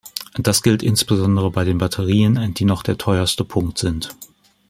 Das gilt insbesondere bei den Batterien, die noch der teuerste Punkt sind.